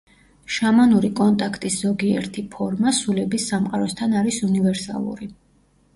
შამანური კონტაქტის, ზოგიერთი ფორმა, სულების სამყაროსთან არის უნივერსალური.